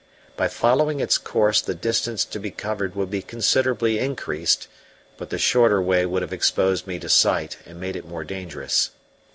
By following its course the distance to be covered would be considerably increased, but the shorter way would have exposed me to sight and made it more dangerous.